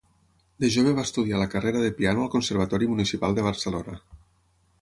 De jove va estudiar la carrera de piano al Conservatori Municipal de Barcelona.